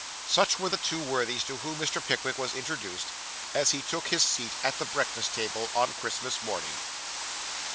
Such were the two worthies to whom Mr. Pickwick was introduced, as he took his seat at the breakfast table on Christmas morning.